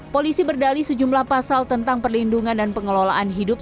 polisi berdali sejumlah pasal tentang perlindungan dan pengelolaan hidup